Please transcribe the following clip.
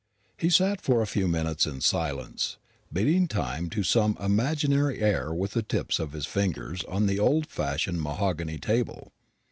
He sat for a few minutes in silence, beating time to some imaginary air with the tips of his fingers on the old fashioned mahogany table.